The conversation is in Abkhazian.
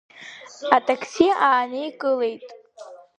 Атакси ааникылеит.